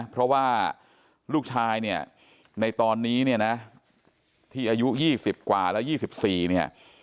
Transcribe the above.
เพราะว่าลูกชายเนี่ยในตอนนี้เนี่ยนะที่อายุ๒๐กว่าแล้ว๒๔เนี่ย